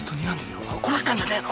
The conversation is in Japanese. お前怒らしたんじゃねえの？